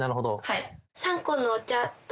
はい。